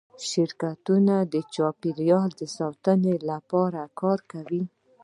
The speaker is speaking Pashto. شرکتونه د چاپیریال ساتنې لپاره کار کوي؟